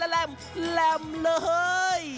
แหลมเลย